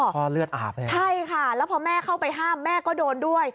เลือดอาบเลยใช่ค่ะแล้วพอแม่เข้าไปห้ามแม่ก็โดนด้วย